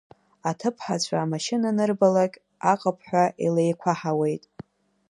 Аҭыԥҳацәа амашьына анырбалак аҟыԥҳәа илеиқәаҳауеит.